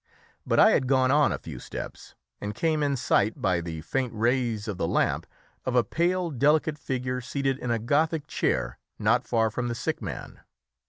But I had gone on a few steps, and came in sight, by the faint rays of the lamp, of a pale, delicate figure seated in a Gothic chair not far from the sick man.